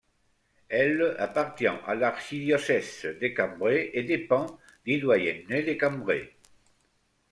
Elle appartient à l'archidiocèse de Cambrai et dépend du doyenné de Cambrai.